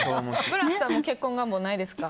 ブラスさんも結婚願望ないですか？